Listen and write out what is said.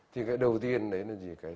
thì cái đầu tiên đấy là gì